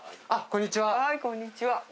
あこんにちは。